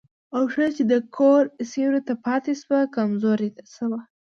او ښځه چې د کور سيوري ته پاتې شوه، کمزورې شوه.